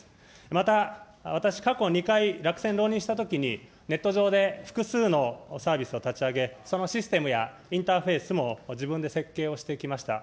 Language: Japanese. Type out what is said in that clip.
また、私過去２回、落選浪人したときに、ネット上で複数のサービスを立ち上げ、そのシステムやインターフェイスも自分で設計をしてきました。